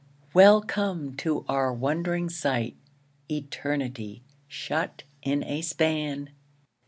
Welcome to our wond'ring sight Eternity shut in a span!